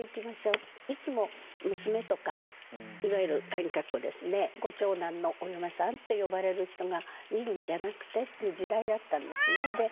いつも娘とかいわゆるカギカッコですねご長男のお嫁さんって呼ばれる人が見るんじゃなくてっていう時代だったんですね。